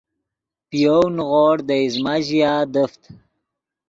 پے یَؤْ نیغوڑ دے ایزمہ ژیا دیفت